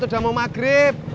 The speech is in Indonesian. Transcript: udah mau maghrib